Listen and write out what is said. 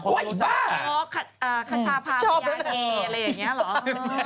อ๋อคชาพาพญาเกอ่ะอะไรอย่างนี้เหรอ